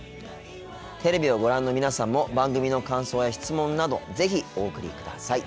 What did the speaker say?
テレビをご覧の皆さんも番組の感想や質問など是非お送りください。